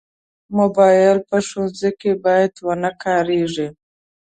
موبایل په ښوونځي کې باید ونه کارېږي.